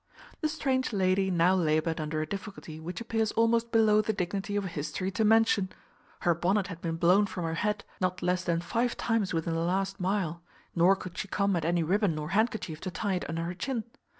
The strange lady now laboured under a difficulty which appears almost below the dignity of history to mention. Her bonnet had been blown from her head not less than five times within the last mile; nor could she come at any ribbon or handkerchief to tie it under her chin.